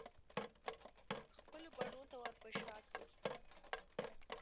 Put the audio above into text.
خپلو بڼو ته ورپه شا کړي